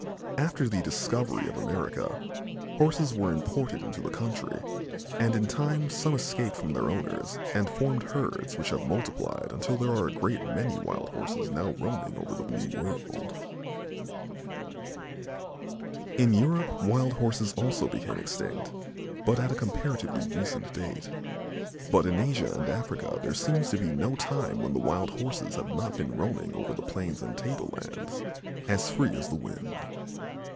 After the discovery of America, Horses were imported into the country and in time some escaped from their owners and formed herds which have multiplied until there are a great many wild Horses now roaming over the new world. In Europe wild Horses also became extinct, but at a comparatively recent date; but in Asia and Africa there seems to be no time when the wild Horses have not been roaming over the plains and tablelands, as free as the wind.